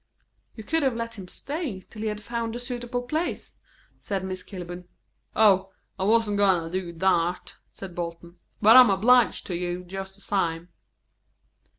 "You could have let him stay till he had found a suitable place," said Miss Kilburn. "Oh, I wa'n't goin' to do that," said Bolton. "But I'm 'bliged to you just the same."